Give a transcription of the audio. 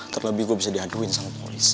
terlebih gue bisa diaduin sama polis